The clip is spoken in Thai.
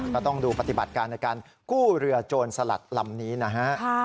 ก็ต้องดูปฏิบัติการในการกู้เรือโจรสลัดลำนี้นะฮะ